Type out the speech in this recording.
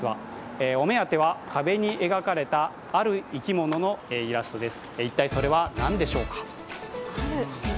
お目当ては、壁に描かれた、ある生き物のイラストです。